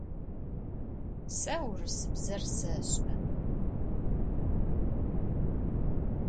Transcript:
Сэ урысыбзэр сэшӏэ.